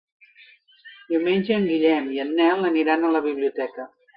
Diumenge en Guillem i en Nel aniran a la biblioteca.